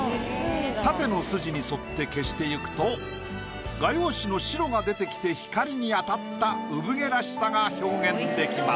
縦の筋に沿って消していくと画用紙の白が出てきて光に当たったうぶ毛らしさが表現できます。